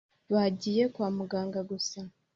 bagiye kwa muganga gusa